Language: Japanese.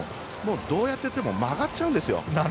どうやってても曲がっちゃうんですよ。